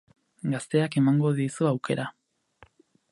Gazteak emango dizu aukera.